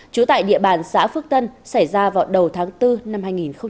trú tại địa bàn xã phước tân xảy ra vào đầu tháng bốn năm hai nghìn một mươi sáu